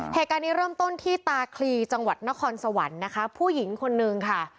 เหตุการณ์นี้เริ่มต้นที่ตาคลีจังหวัดนครสวรรค์นะคะผู้หญิงคนนึงค่ะ